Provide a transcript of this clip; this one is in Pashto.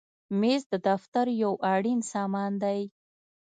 مېز د دفتر یو اړین سامان دی.